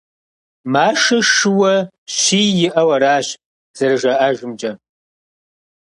Машэ шыуэ щий иӀауэ аращ, зэражаӀэжымкӀэ.